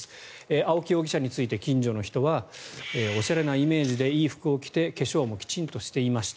青木容疑者について近所の人はおしゃれなイメージでいい服を着て化粧もきちんとしていました。